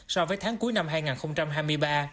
so với tháng cuối năm hai nghìn hai mươi ba